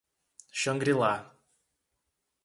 Xangri-lá